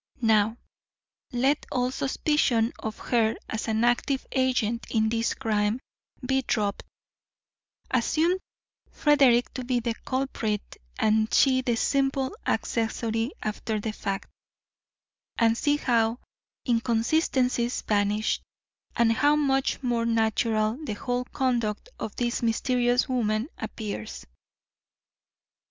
Now, let all suspicion of her as an active agent in this crime be dropped, assume Frederick to be the culprit and she the simple accessory after the fact, and see how inconsistencies vanish, and how much more natural the whole conduct of this mysterious woman appears.